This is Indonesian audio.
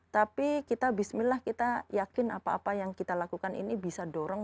tapi kita bismillah kita yakin apa apa yang kita lakukan ini bisa dorong